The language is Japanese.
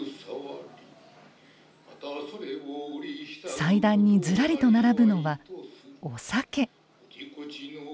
祭壇にずらりと並ぶのはお酒。